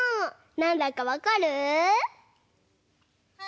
なんだかわかる？